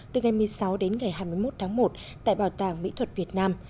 từ ngày một mươi sáu đến ngày hai mươi một tháng một tại bảo tàng mỹ thuật việt nam